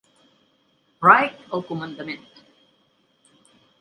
Wright al comandament.